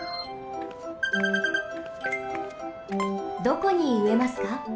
どこにうえますか？